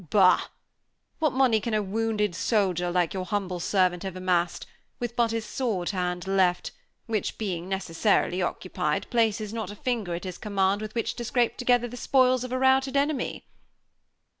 Bah! What money can a wounded soldier like your humble servant have amassed, with but his sword hand left, which, being necessarily occupied, places not a finger at his command with which to scrape together the spoils of a routed enemy?"